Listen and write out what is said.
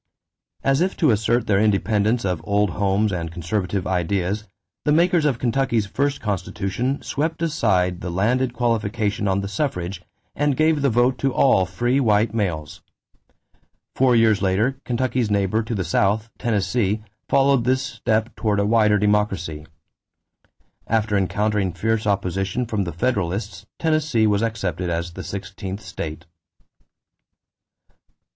As if to assert their independence of old homes and conservative ideas the makers of Kentucky's first constitution swept aside the landed qualification on the suffrage and gave the vote to all free white males. Four years later, Kentucky's neighbor to the south, Tennessee, followed this step toward a wider democracy. After encountering fierce opposition from the Federalists, Tennessee was accepted as the sixteenth state.